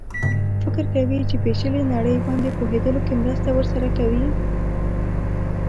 فکر کوي چې پېچلې نړۍ باندې پوهېدلو کې مرسته ورسره کوي.